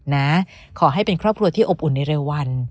นะขอให้เป็นครอบครัวที่อบอุ่นในเร็ววัน